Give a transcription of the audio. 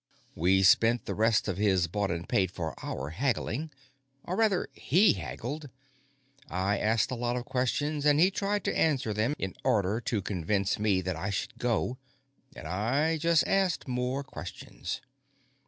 We spent the rest of his bought and paid for hour haggling. Or, rather, he haggled. I asked a lot of questions, and he tried to answer them in order to convince me that I should go, and I just asked more questions.